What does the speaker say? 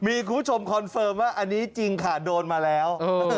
มีคุณผู้ชมคอนเฟิร์มว่าอันนี้จริงค่ะโดนมาแล้ว